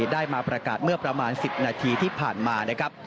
ได้มาประกาศเมื่อประมาณ๑๐นาทีที่ผ่านมานะครับ